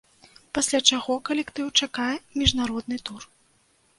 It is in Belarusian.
Пасля чаго калектыў чакае міжнародны тур.